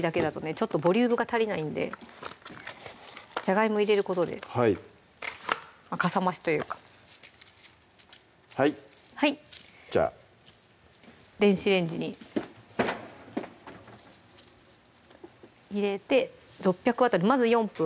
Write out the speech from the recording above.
ちょっとボリュームが足りないんでじゃがいも入れることでかさ増しというかはいじゃあ電子レンジに入れて６００Ｗでまず４分